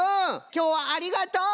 きょうはありがとう！